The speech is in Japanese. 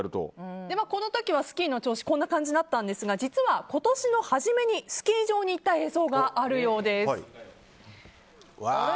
この時はスキーの調子こんな感じだったんですが実は今年の初めにスキー場に行った映像があるようです。